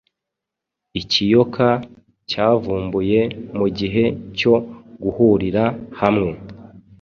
Ikiyoka cyavumbuye mugihe cyo guhurira hamwe